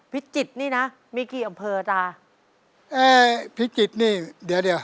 พิจิตรนี่นะมีกี่อำเภอจ้ะเอ้ยพิจิตรนี่เดี๋ยวเดี๋ยว